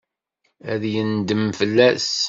Ad yendem fell-as.